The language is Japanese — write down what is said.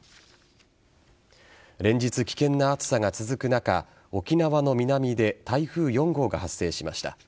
連日、危険な暑さが続く中沖縄の南で台風４号が発生しました。